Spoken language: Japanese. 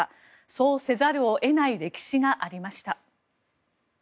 そうせざるを得ない歴史がありました。